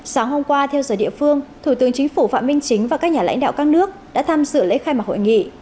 sáng hôm qua theo giờ địa phương thủ tướng chính phủ phạm minh chính và các nhà lãnh đạo các nước đã tham dự lễ khai mạc hội nghị